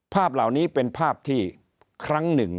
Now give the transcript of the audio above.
ภาพเหล่านี้เป็นภาพที่ครั้งหนึ่ง